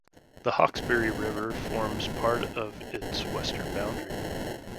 The Hawkesbury River forms part of its western boundary.